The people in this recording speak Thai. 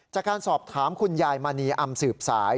จากการสอบถามคุณยายมณีอำสืบสาย